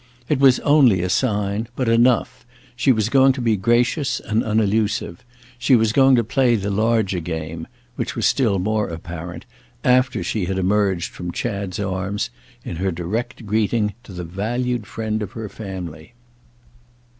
It was only a sign, but enough: she was going to be gracious and unallusive, she was going to play the larger game—which was still more apparent, after she had emerged from Chad's arms, in her direct greeting to the valued friend of her family.